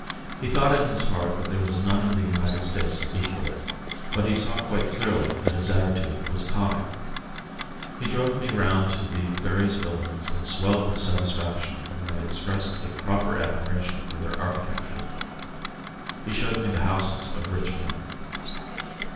He thought in his heart that there was none in the United States to equal it, but he saw quite clearly that his attitude was comic. He drove me round to the various buildings and swelled with satisfaction when I expressed a proper admiration for their architecture. He showed me the houses of rich men.